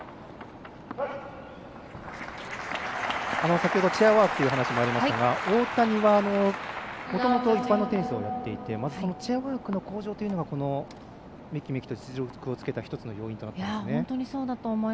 先ほど、チェアワークというお話がありましたが大谷は、もともと一般のテニスをやっていてチェアワークの向上というのがめきめきと実力をつけた１つの要因ですかね。